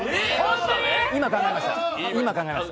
今考えました。